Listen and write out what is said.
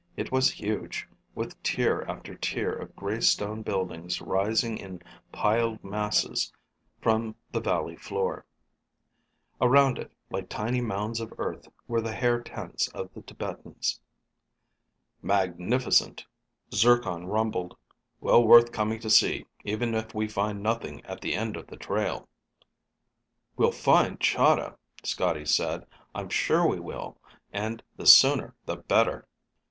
It was huge, with tier after tier of gray stone buildings rising in piled masses from the valley floor. Around it, like tiny mounds of earth, were the hair tents of the Tibetans. "Magnificent," Zircon rumbled. "Well worth coming to see, even if we find nothing at the end of the trail." "We'll find Chahda," Scotty said. "I'm sure we will. And the sooner the better."